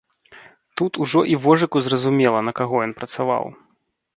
Тут ужо і вожыку зразумела, на каго ён працаваў.